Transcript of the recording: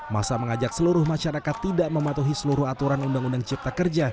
masa mengajak seluruh masyarakat tidak mematuhi seluruh aturan undang undang cipta kerja